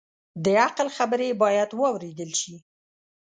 د عقل خبرې باید واورېدل شي